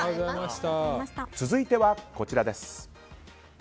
続いてはこちらです。